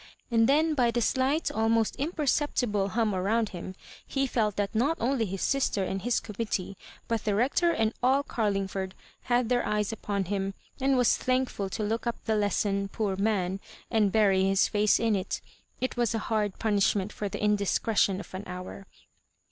And then by the slight, almost imperceptible, hum around him, he felt that not only his sister and his com mittee, but the Bector and all Carlingford, had their eyes upon him, and was tiiankful to look up the lesson, poor man, and bury his face in it. It was a hard punishment for the indisc^'etion of an hour.